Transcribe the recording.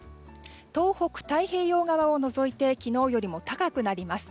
東北の太平洋側を除いて昨日よりも高くなります。